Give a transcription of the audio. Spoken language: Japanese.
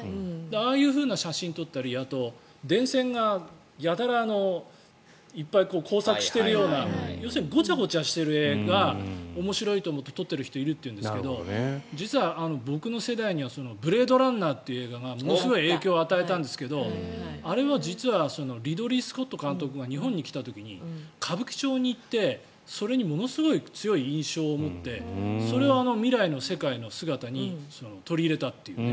ああいうふうな写真を撮ったりあとは電線がやたらいっぱい交錯しているような、要するにごちゃごちゃしている画が面白いと思って撮っている人がいるというんですけど実は僕の世代には「ブレードランナー」という映画がものすごく影響を与えたんですけどあれは実はリドリー・スコット監督が日本に来た時に歌舞伎町に行ってそれにものすごい強い印象を持ってそれを未来の世界の姿に取り入れたというね。